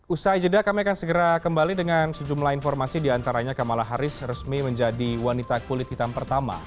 usai jeda kami akan segera kembali dengan sejumlah informasi diantaranya kamala harris resmi menjadi wanita kulit hitam pertama